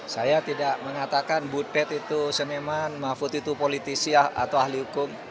saya tidak mengatakan butet itu seniman mahfud itu politisi atau ahli hukum